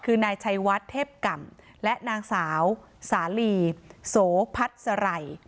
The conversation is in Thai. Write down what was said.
คือนายชัยวัดเทพกรรมและนางสาวสาลีโสพัฒน์สไร